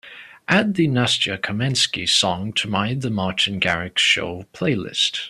Add the Nastya Kamenskih song to my The Martin Garrix Show playlist.